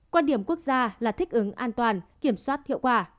quan điểm quốc gia là thích ứng an toàn kiểm soát hiệu quả